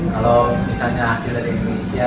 kalau misalnya hasil dari indonesia